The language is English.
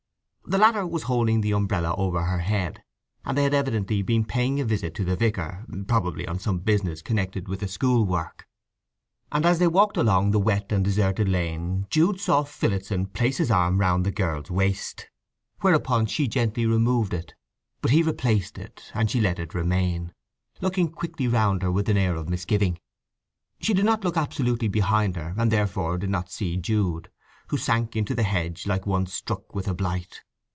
The latter was holding the umbrella over her head, and they had evidently been paying a visit to the vicar—probably on some business connected with the school work. And as they walked along the wet and deserted lane Jude saw Phillotson place his arm round the girl's waist; whereupon she gently removed it; but he replaced it; and she let it remain, looking quickly round her with an air of misgiving. She did not look absolutely behind her, and therefore did not see Jude, who sank into the hedge like one struck with a blight.